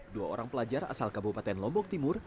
dua orang pelajar asal kabupaten lombok timur